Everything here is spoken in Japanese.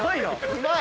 うまい！